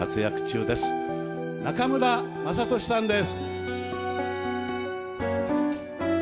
中村雅俊さんです。